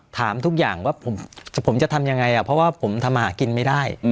ถามทุกอย่างว่าผมจะทำยังไงเพราะว่าผมทำมาหากินไม่ได้